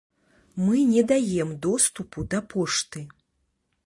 Мы не даем доступу да пошты.